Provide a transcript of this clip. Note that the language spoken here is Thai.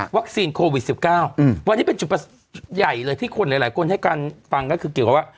โควิด๑๙วันนี้เป็นจุดใหญ่เลยที่คนหลายคนให้การฟังก็คือเกี่ยวกับว่า